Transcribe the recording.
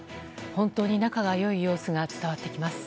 本当に仲が良い様子が伝わってきます。